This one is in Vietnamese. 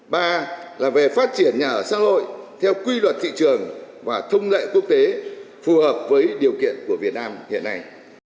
ba là về phát triển nhà ở xã hội theo quy luật thị trường và thông lệ quốc tế phù hợp với điều kiện của việt nam hiện nay